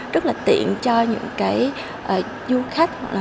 rất là tiện cho những cái du khách